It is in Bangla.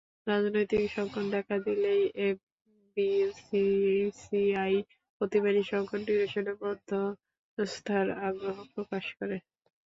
রাজনৈতিকসংকট দেখা দিলেই এফবিসিসিআই প্রতিবারই সংকট নিরসনে মধ্যস্থতার আগ্রহ প্রকাশ করে।